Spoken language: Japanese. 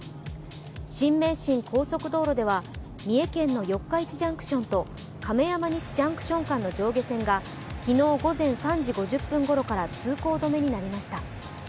新名神高速道路では三重県の四日市ジャンクションと亀山西ジャンクション間の上下線が昨日午前３時５０分ごろから通行止めになりました。